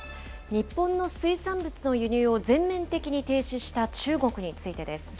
日本の水産物の輸入を全面的に停止した中国についてです。